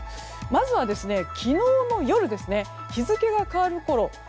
まずは昨日の夜日付が変わるころ